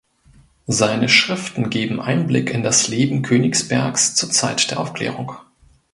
Seine Schriften geben Einblick in das Leben Königsbergs zur Zeit der Aufklärung.